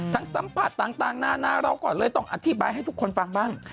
สัมผัสต่างนานาเราก็เลยต้องอธิบายให้ทุกคนฟังบ้าง